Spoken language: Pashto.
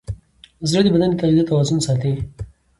زړه د بدن د تغذیې توازن ساتي.